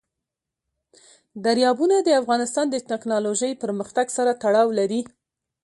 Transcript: دریابونه د افغانستان د تکنالوژۍ پرمختګ سره تړاو لري.